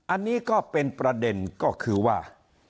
อันนี้ก็เป็นประเด็นก็คือว่า